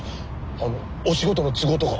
あのお仕事の都合とか。